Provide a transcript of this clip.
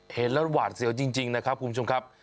เห็นแล้วหวาดเสียวจริงนะครับคุณผู้ชมครับ